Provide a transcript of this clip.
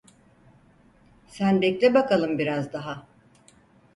Sen bekle bakalım biraz daha.